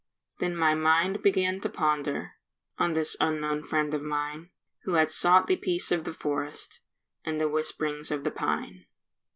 Then my mind began to ponder On this unknown friend of mine, Who had sought the peace of the forest And the whisp'rings of the pine.